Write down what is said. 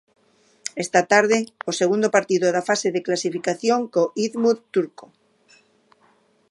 Esta tarde, o segundo partido da fase de clasificación co Izmir turco.